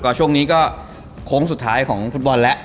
ก็ช่วงนี้ก็โค้งสุดท้ายของฟุตบอลแล้ว